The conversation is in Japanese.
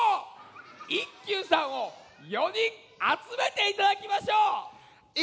一休さんを４にんあつめていただきましょう。